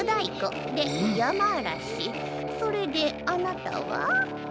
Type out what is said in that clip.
それであなたは？